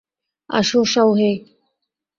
আসো, শাওহেই।